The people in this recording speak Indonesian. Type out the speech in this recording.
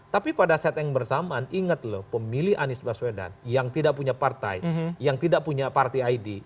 tapi pada set yang bersamaan ingat loh pemilih anies baswedan yang tidak punya partai yang tidak punya partai id